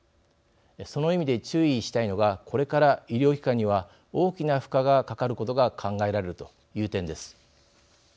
その意味で注意したいのがこれから医療機関には大きな負荷がかかることが考えられるという点です。